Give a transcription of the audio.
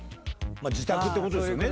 自宅ってことですよね。